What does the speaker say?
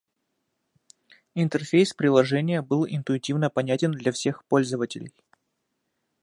Интерфейс приложения был интуитивно понятен для всех пользователей.